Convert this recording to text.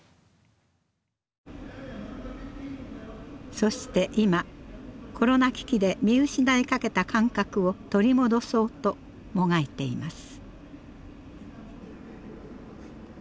そして今コロナ危機で見失いかけた感覚を取り戻そうともがいています。